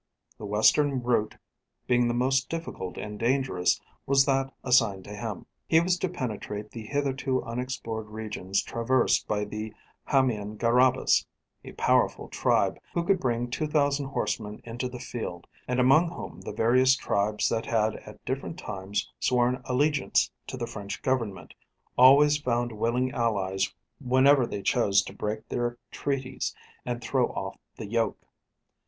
The western route, being the most difficult and dangerous, was that assigned to him. He was to penetrate the hitherto unexplored regions traversed by the Hamian garabas a powerful tribe, who could bring 2000 horsemen into the field, and among whom the various tribes that had at different times sworn allegiance to the French government always found willing allies whenever they chose to break their treaties and throw off the yoke.